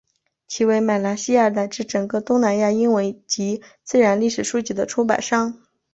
其为马来西亚乃至整个东南亚英文及自然历史书籍的出版商。